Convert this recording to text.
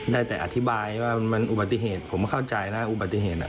ได้แต่อธิบายว่ามันอุบัติเหตุผมเข้าใจนะอุบัติเหตุ